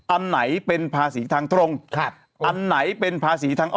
อันไหนเป็นภาษีทางตรงอันไหนเป็นภาษีทางอ้อ